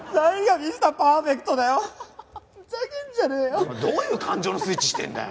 お前どういう感情のスイッチしてんだよ。